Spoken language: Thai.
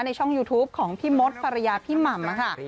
ช่องยูทูปของพี่มดภรรยาพี่หม่ำค่ะ